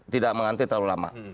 tidak mengantre terlalu lama